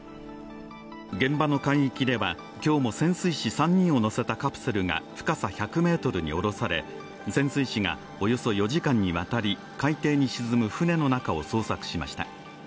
現場の海域では今日も潜水士３人を乗せたカプセルが深さ１００ｍに降ろされ、潜水士がおよそ４時間にわたり、海底に沈む船の中を捜索しました。